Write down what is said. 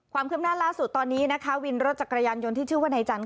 ความคืบหน้าล่าสุดตอนนี้นะคะวินรถจักรยานยนต์ที่ชื่อว่านายจันท